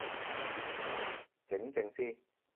靜靜先